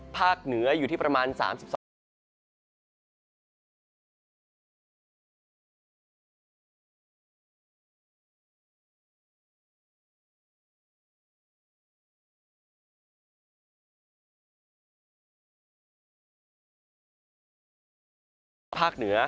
ภาคเหนืออยู่ที่ประมาณ๓๒องศานะครับ